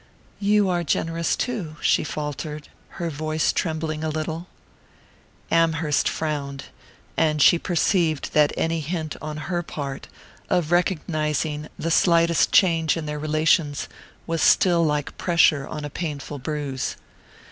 "You are generous too," she faltered, her voice trembling a little. Amherst frowned; and she perceived that any hint, on her part, of recognizing the slightest change in their relations was still like pressure on a painful bruise.